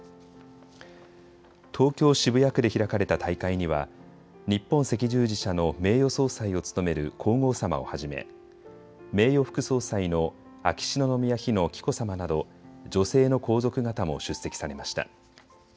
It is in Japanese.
東京渋谷区で開かれた大会には日本赤十字社の名誉総裁を務める皇后さまをはじめ名誉副総裁の秋篠宮妃の紀子さまなど女性の皇族方も出席されました。